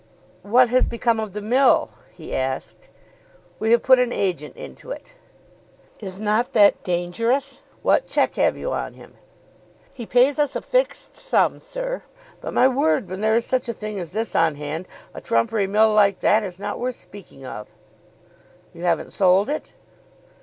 "What has become of the mill?" he asked. "We have put an agent into it." "Is not that dangerous? What check have you on him?" "He pays us a fixed sum, sir. But, my word! when there is such a thing as this on hand a trumpery mill like that is not worth speaking of." "You haven't sold it?"